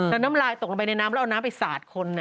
แล้วน้ำลายตกลงไปในน้ำแล้วเอาน้ำไปสาดคน